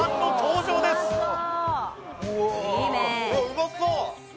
うまそう！